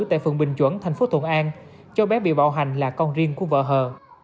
tại phường bình chuẩn tp thuận an cho bé bị bỏ hành là con riêng của vợ hờ